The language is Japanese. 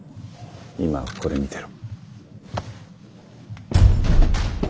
今はここで見てろ。